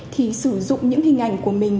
thì sử dụng những hình ảnh của mình